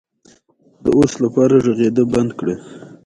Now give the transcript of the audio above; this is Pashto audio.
ازادي راډیو د د تګ راتګ ازادي پر وړاندې د حل لارې وړاندې کړي.